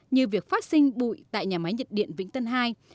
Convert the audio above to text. như việc phát sinh bụi tại nhà máy nhiệt điện vĩnh tân hai